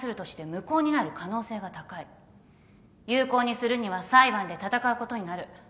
有効にするには裁判で戦うことになる。